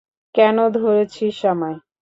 কেন ধরেছিস আমায়?